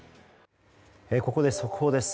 ここで速報です。